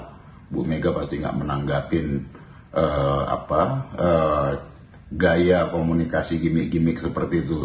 ibu mega pasti nggak menanggapin gaya komunikasi gimmick gimmick seperti itu